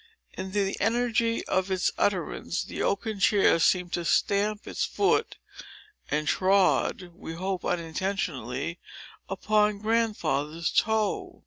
In the energy of its utterance, the oaken chair seemed to stamp its foot, and trod, (we hope unintentionally) upon Grandfather's toe.